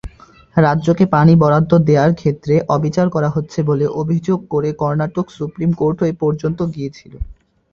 রাজ্যকে পানি বরাদ্দ দেওয়ার ক্ষেত্রে অবিচার করা হচ্ছে বলে অভিযোগ করে কর্ণাটক সুপ্রিম কোর্টে পর্যন্ত গিয়েছিল।